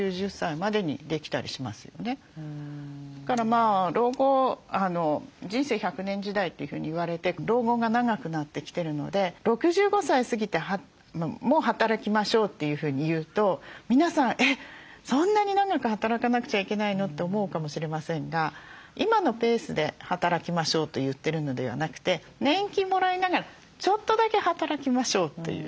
だから老後人生１００年時代というふうに言われて老後が長くなってきてるので６５歳過ぎても働きましょうというふうに言うと皆さん「えっそんなに長く働かなくちゃいけないの？」って思うかもしれませんが今のペースで働きましょうと言ってるのではなくて年金もらいながらちょっとだけ働きましょうという。